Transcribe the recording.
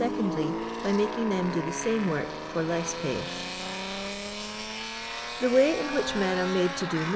Tondly, )»v making; them d i the Nam w ii k for l ss pay. Th way in which ir>n ar mad to do nmr.'.